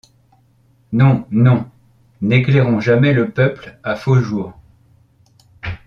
Non! non ! n’éclairons jamais le peuple à faux jour.